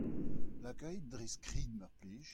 Lakait dre skrid mar plij !